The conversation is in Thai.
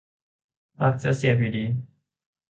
ปลั๊กจะเสียบอยู่ดี